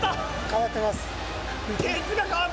変わってます。